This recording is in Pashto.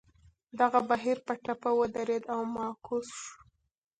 دغه بهیر په ټپه ودرېد او معکوس شو.